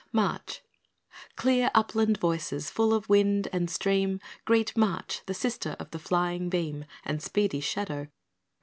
March Clear upland voices, full of wind and stream, Greet March, the sister of the flying beam And speedy shadow.